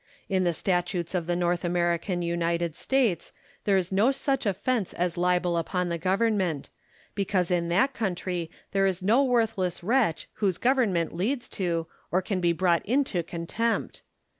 In the statutes of the North American United States, there is no such offence as libel upon the Government ; because in that countiy there is no worthless wretch whose government leads to, or can be brought into contempt.